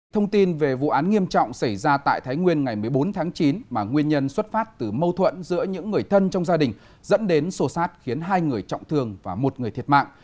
thông tin về vụ án nghiêm trọng xảy ra tại thái nguyên ngày một mươi bốn tháng chín mà nguyên nhân xuất phát từ mâu thuẫn giữa những người thân trong gia đình dẫn đến sổ sát khiến hai người trọng thương và một người thiệt mạng